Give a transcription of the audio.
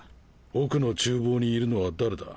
奥の厨房にいるのは誰だ？